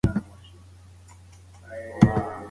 غږ باید روښانه وي.